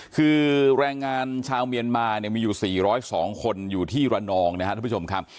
คือแรงงานชาวเมียนมาเนี่ยมีอยู่สี่ร้อยสองคนอยู่ที่ระนองนะฮะทุกผู้ชมค่ะ